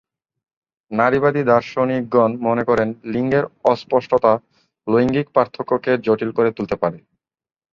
নারীবাদী দার্শনিকগণ মনে করেন লিঙ্গের অস্পষ্টতা লৈঙ্গিক পার্থক্যকে জটিল করে তুলতে পারে।